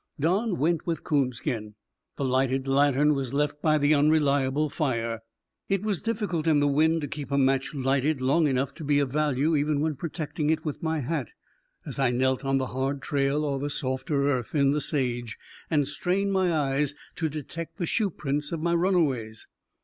Don went with Coonskin. The lighted lantern was left by the unreliable fire. It was difficult in the wind to keep a match lighted long enough to be of value, even when protecting it with my hat, as I knelt on the hard trail or on the softer earth in the sage, and strained my eyes to detect the shoe prints of my runaways.